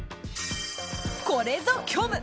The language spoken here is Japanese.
これぞ虚無！